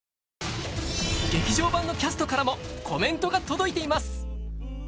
劇場版のキャストからもコメントが届いています